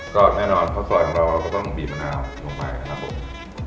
ก็แน่นอนข้าวซอยของเราก็ต้องบีบมะนาวลงไป